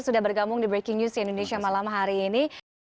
sudah bergabung di breaking news indonesia malam hari ini